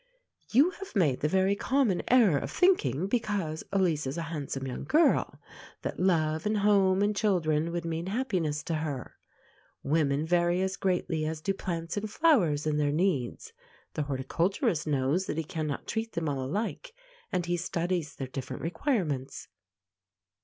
You have made the very common error of thinking, because Elise is a handsome young girl, that love, and home, and children would mean happiness to her. Women vary as greatly as do plants and flowers in their needs. The horticulturist knows that he cannot treat them all alike, and he studies their different requirements.